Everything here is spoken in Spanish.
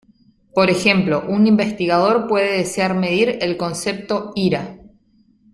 Por ejemplo, un investigador puede desear medir el concepto "ira".